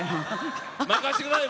任せてください！